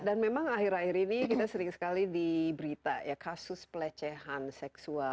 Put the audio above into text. dan memang akhir akhir ini kita sering sekali diberita kasus pelecehan seksual